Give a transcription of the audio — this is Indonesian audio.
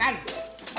gak ada suap suapan